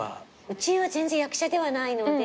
うちは全然役者ではないので。